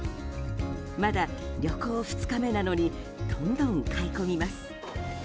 まだ旅行２日目なのにどんどん買い込みます。